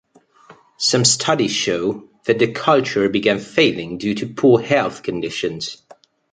Some studies show that the culture began failing due to poor health conditions.